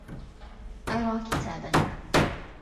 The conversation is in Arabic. أرى كتاباً.